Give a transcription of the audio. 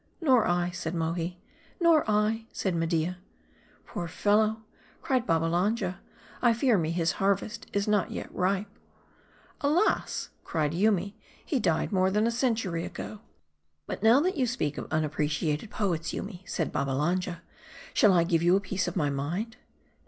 " Nor I," said Mohi. " Nor I," said Media. " Poor fellow !" cried Babbalanja ; "I fear me his harvest is not yet ripe," " Alas !" cried Yoomy ; "he died more than a century 248 M A R D L " But now that you speak of unappreciated poets, Yoomy/' said Babbalanja, " Shall I give you a piece of my mind